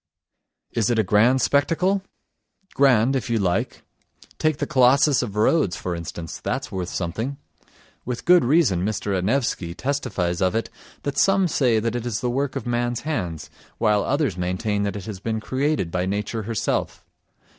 Is it a grand spectacle? Grand, if you like. Take the Colossus of Rhodes, for instance, that's worth something. With good reason Mr. Anaevsky testifies of it that some say that it is the work of man's hands, while others maintain that it has been created by nature herself.